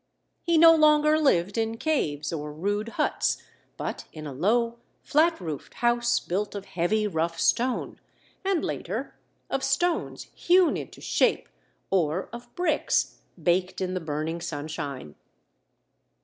He no longer lived in caves or rude huts, but in a low, flat roofed house built of heavy, rough stone, and, later, of stones hewn into shape or of bricks baked in the burning sunshine.